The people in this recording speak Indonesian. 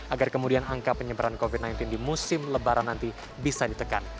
agar kemudian angka penyebaran covid sembilan belas di musim lebaran nanti bisa ditekan